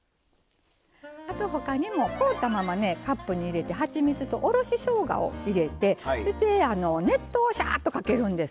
あと他にも凍ったままねカップに入れてはちみつとおろししょうがを入れてそして熱湯をしゃーっとかけるんです。